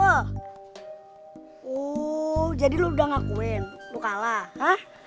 oh jadi lu udah ngakuin lu kalah